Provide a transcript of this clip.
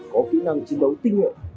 có kỹ năng chiến đấu tinh nghiệm